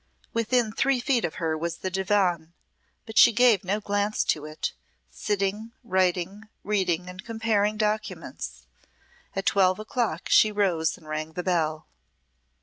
Within three feet of her was the divan, but she gave no glance to it, sitting writing, reading, and comparing documents. At twelve o'clock she rose and rang the bell.